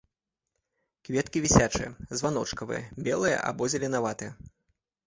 Кветкі вісячыя, званочкавыя, белыя або зеленаватыя.